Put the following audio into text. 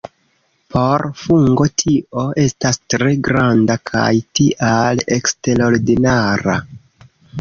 Por fungo tio estas tre granda kaj tial eksterordinara.